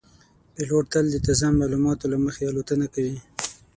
پیلوټ تل د تازه معلوماتو له مخې الوتنه کوي.